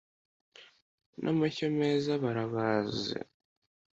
n’amashyo meza barabaze